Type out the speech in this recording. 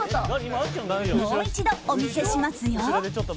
もう一度、お見せしますよ。